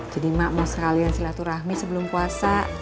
jadi emak mau sekalian silaturahmi sebelum puasa